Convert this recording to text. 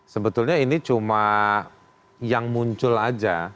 sebetulnya ini cuma yang muncul aja